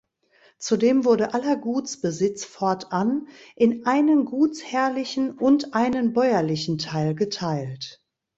Zudem wurde aller Gutsbesitz fortan in einen gutsherrlichen und einen bäuerlichen Teil geteilt.